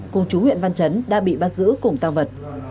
cùng chú huyện văn chấn đã bị bắt giữ cùng tăng vật